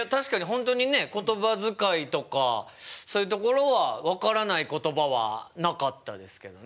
本当にね言葉遣いとかそういうところは分からない言葉はなかったですけどね。